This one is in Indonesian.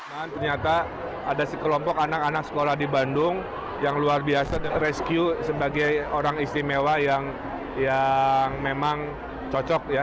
dan ternyata ada sekelompok anak anak sekolah di bandung yang luar biasa dan terescue sebagai orang istimewa yang memang cocok